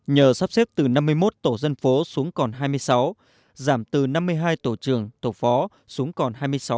nhờ sắp xếp từ năm mươi một tổ dân phố xuống còn hai mươi sáu giảm từ năm mươi hai tổ trường tổ phó xuống còn hai mươi sáu